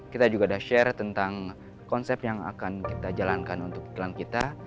kita juga sudah share tentang konsep yang akan kita jalankan untuk iklan kita